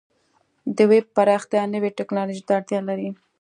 د ویب پراختیا نوې ټکنالوژۍ ته اړتیا لري.